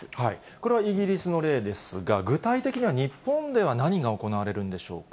これはイギリスの例ですが、具体的には日本では何が行われるんでしょうか。